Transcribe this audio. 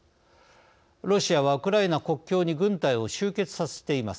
ロシアは、ウクライナ国境に軍隊を集結させています。